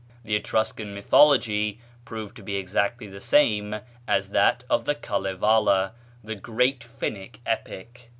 The Etruscan mythology proved to be essentially the same as that of the Kalevala, the great Finnic epic."